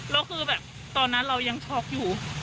แล้วคือแบบตอนนั้นเรายังช็อกอยู่